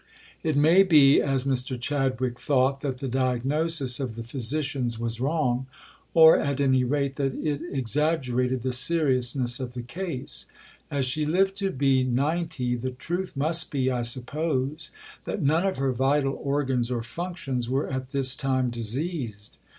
It may be, as Mr. Chadwick thought, that the diagnosis of the physicians was wrong, or at any rate that it exaggerated the seriousness of the case. As she lived to be ninety, the truth must be, I suppose, that none of her vital organs or functions were at this time diseased.